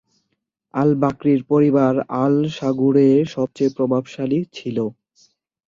আল-বাকরির পরিবার আল-শাগুরে সবচেয়ে প্রভাবশালী ছিল।